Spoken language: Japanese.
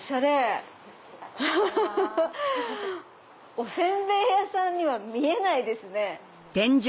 お煎餅屋さんには見えないですね。